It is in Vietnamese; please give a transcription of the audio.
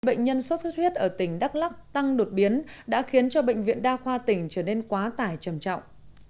bệnh nhân sốt xuất huyết ở tỉnh đắk lắc tăng đột biến đã khiến cho bệnh viện đa khoa tỉnh trở nên quá tải trầm trọng